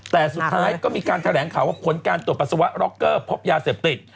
แต่สุดท้ายก็มีการแถลงข่าวว่าผลการตรวจปัสสาวะร็อกเกอร์พบยาเสพติด